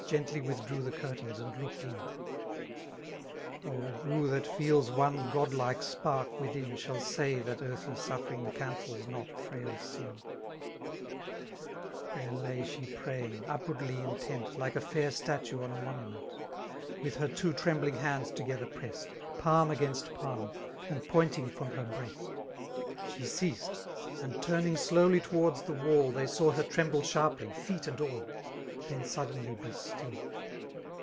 Gently withdrew ^kut eurtains, and looked In :— O, who that feds one goifflke sparic w^Hb, Shall say that earthly sufiPering cancels not frail sin ! J lis It There Ifty she pngpki§> vpfwerdljr int^t/ Like a fair stkfeue on a moBumenl, : Witib her two trembling hands together {v^st^ s Palm against palm, and pointing from her bieafil. She ceased, and turning slowly towards the woDr, Thef saw her tremUe sharply^ feet and all,*— Then suddenly be still.